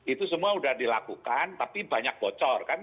itu semua sudah dilakukan tapi banyak bocor kan